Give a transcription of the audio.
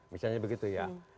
misalnya begitu ya